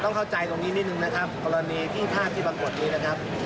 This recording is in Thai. เข้าใจตรงนี้นิดนึงนะครับกรณีที่ภาพที่ปรากฏนี้นะครับ